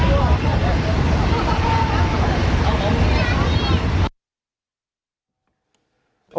ครับครับ